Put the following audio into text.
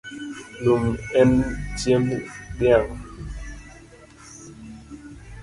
Lum en chiemb dhiang’